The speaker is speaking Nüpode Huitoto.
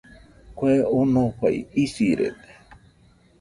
Kue onofai isirede